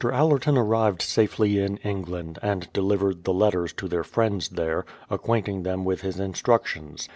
AUerton arrived safely in England, and delivered the letters to their friends there, acquainting them with his instructions.